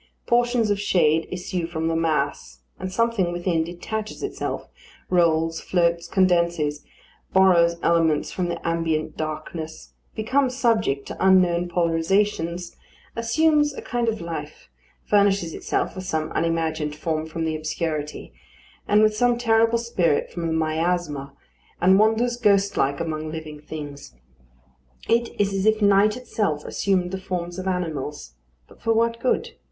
Portions of shade issue from the mass, and something within detaches itself, rolls, floats, condenses, borrows elements from the ambient darkness, becomes subject to unknown polarisations, assumes a kind of life, furnishes itself with some unimagined form from the obscurity, and with some terrible spirit from the miasma, and wanders ghostlike among living things. It is as if night itself assumed the forms of animals. But for what good?